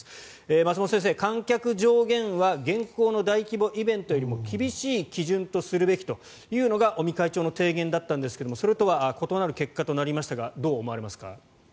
松本先生、観客上限は現行のイベント制限よりも厳しい基準とするべきというのが尾身会長の提言だったんですがそれとは異なる結果となりましたがどう思われますか。